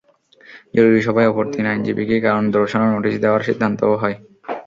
জরুরি সভায় অপর তিন আইনজীবীকে কারণ দর্শানোর নোটিশ দেওয়ার সিদ্ধান্তও হয়।